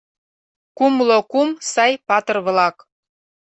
Кумло кум сай патыр-влак